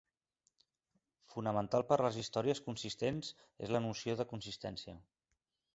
Fonamental per les històries consistents és la noció de consistència.